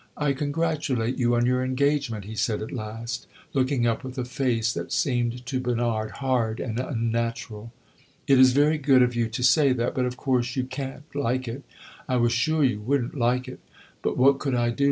"I congratulate you on your engagement," he said at last, looking up with a face that seemed to Bernard hard and unnatural. "It is very good of you to say that, but of course you can't like it! I was sure you would n't like it. But what could I do?